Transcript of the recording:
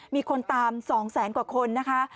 มีคนตาม๒แสนกว่าคนนะคะ